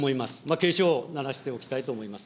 警鐘を鳴らしておきたいと思います。